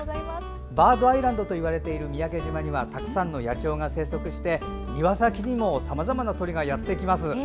バードアイランドといわれている三宅島にはたくさんの野鳥が生息して庭先にもさまざまな鳥がやってきます。